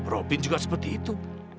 robin juga seperti itu